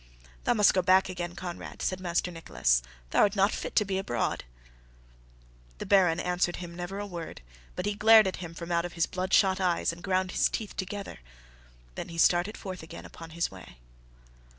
"Thou must go back again, Conrad," said Master Nicholas; "thou art not fit to be abroad." The Baron answered him never a word, but he glared at him from out of his bloodshot eyes and ground his teeth together. Then he started forth again upon his way.